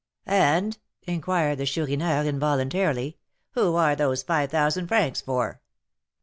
"And," inquired the Chourineur, involuntarily, "who are those five thousand francs for?"